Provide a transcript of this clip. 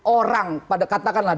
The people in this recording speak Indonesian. orang pada katakanlah dua ratus dua belas